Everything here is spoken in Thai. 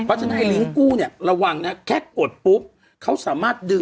เพราะฉะนั้นไอลิงก์กู้เนี่ยระวังนะแค่กดปุ๊บเขาสามารถดึง